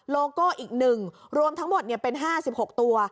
โลโก้อีก๑รวมทั้งหมดเป็น๕๖ตัว